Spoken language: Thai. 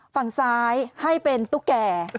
ฝั่งซ้ายให้เป็นตุ๊กแก่